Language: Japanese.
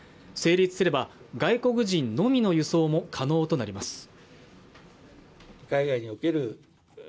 成立すれば外国人のみの輸送も可能となります